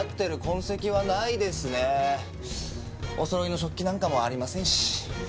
おそろいの食器なんかもありませんし。